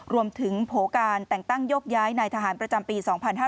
โผล่การแต่งตั้งโยกย้ายนายทหารประจำปี๒๕๕๙